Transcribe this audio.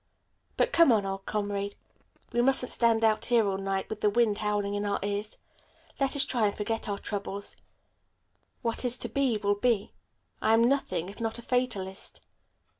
But come on, old comrade, we mustn't stand out here all night with the wind howling in our ears. Let us try and forget our troubles. What is to be, will be. I am nothing, if not a fatalist."